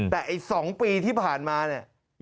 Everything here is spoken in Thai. แต่ไอ้๒ปีที่ผ่านมาเนี่ย